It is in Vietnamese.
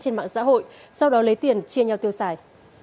trên mạng xã hội sau đó lấy tiền chia nhau tiêu xài